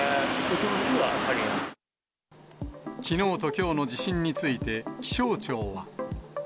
きのうときょうの地震について、気象庁は。